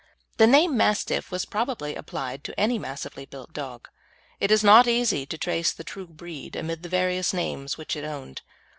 The name Mastiff was probably applied to any massively built dog. It is not easy to trace the true breed amid the various names which it owned.